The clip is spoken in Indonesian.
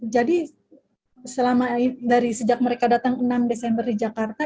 jadi dari sejak mereka datang enam desember di jakarta